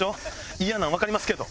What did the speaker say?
イヤなんわかりますけど。